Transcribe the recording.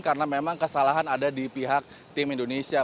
karena memang kesalahan ada di pihak tim indonesia